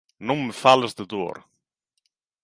Non me fales de dor!